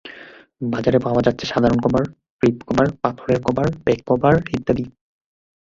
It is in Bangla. বাজারে পাওয়া যাচ্ছে সাধারণ কভার, ফ্লিপ কভার, পাথরের কভার, ব্যাক কভার ইত্যাদি।